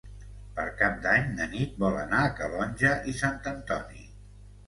Per Cap d'Any na Nit vol anar a Calonge i Sant Antoni.